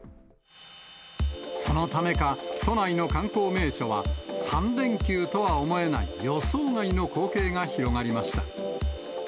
そのためか都内の観光名所は、３連休とは思えない予想外の光景が広がりました。